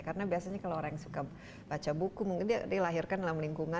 karena biasanya kalau orang yang suka baca buku mungkin dia dilahirkan dalam lingkungan